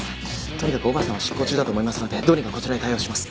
とにかく小原さんは執行中だと思いますのでどうにかこちらで対応します。